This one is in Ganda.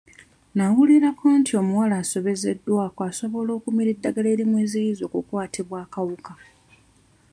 Nawulirako nti omuwala asobezeddwako asobola okumira eddagala erimuziyiza okukwatibwa akawuka.